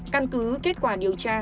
căn cứ kết quả điều tra